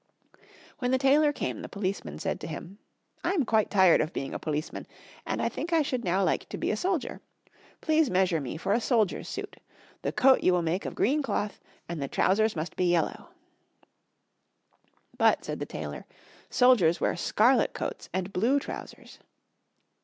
When the tailor came the policeman said to him, "I am quite tired of being a policeman, and I think I should now like to be a soldier. Please measure me for a soldier's suit. The coat you will make of green cloth and the trousers must be yellow." [Illustration: "Please measure me for a soldier's suit."] "But," said the tailor, "soldiers wear scarlet coats and blue trousers."